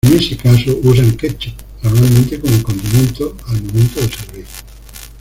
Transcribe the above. En ese caso usan Ketchup normalmente como condimento al momento de servir.